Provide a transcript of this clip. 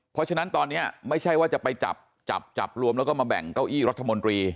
เพราะฉะนั้นตอนนี้ไม่ใช่ว่าจะไปจับจับรวมแล้วก็มาแบ่งเก้าอี้รัฐมนตรี